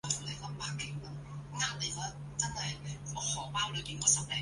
林登费尔斯是德国黑森州的一个市镇。